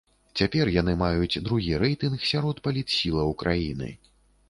Цяпер яны маюць другі рэйтынг сярод палітсілаў краіны.